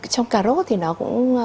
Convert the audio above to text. trong cà rốt thì nó cũng